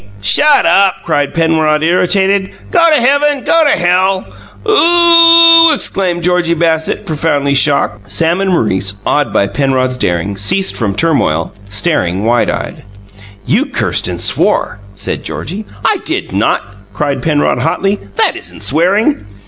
"Shut up!" cried Penrod, irritated. "Go to heaven; go to hell!" "Oo o oh!" exclaimed Georgie Bassett, profoundly shocked. Sam and Maurice, awed by Penrod's daring, ceased from turmoil, staring wide eyed. "You cursed and swore!" said Georgie. "I did not!" cried Penrod, hotly. "That isn't swearing."